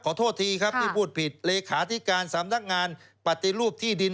โทษทีครับที่พูดผิดเลขาธิการสำนักงานปฏิรูปที่ดิน